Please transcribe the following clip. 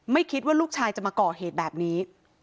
ไม่คิดว่าลูกชายจะมาก่อเหตุแบบนี้